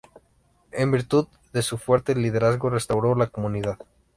En virtud de su fuerte liderazgo restauró la comunidad.